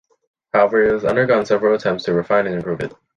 However it has undergone several attempts to refine and improve it.